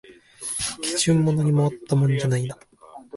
基準も何もあったもんじゃないな